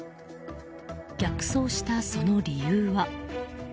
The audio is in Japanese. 逆走したその理由は。